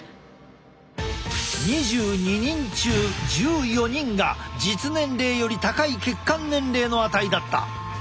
２２人中１４人が実年齢より高い血管年齢の値だった。